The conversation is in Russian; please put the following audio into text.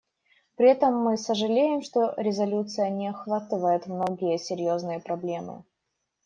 При этом мы сожалеем, что резолюция не охватывает многие серьезные проблемы.